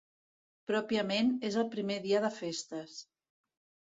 Pròpiament, és el primer dia de festes.